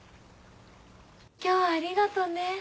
今日はありがとね。